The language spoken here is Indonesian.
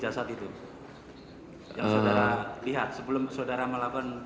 yang saudara lihat sebelum saudara melakukan